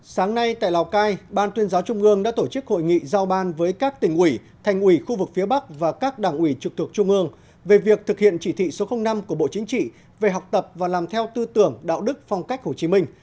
sáng nay tại lào cai ban tuyên giáo trung ương đã tổ chức hội nghị giao ban với các tỉnh ủy thành ủy khu vực phía bắc và các đảng ủy trực thuộc trung ương về việc thực hiện chỉ thị số năm của bộ chính trị về học tập và làm theo tư tưởng đạo đức phong cách hồ chí minh